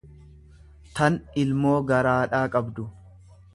tan ilmoo garaadhaa qabdu.